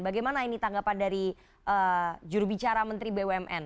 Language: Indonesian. bagaimana ini tanggapan dari jurubicara menteri bumn